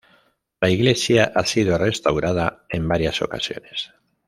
La Iglesia ha sido restaurada en varias ocasiones.